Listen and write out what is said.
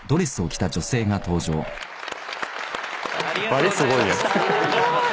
バリすごいやん。